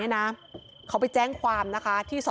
ผมก็เดินมาส่วนผู้ใหญ่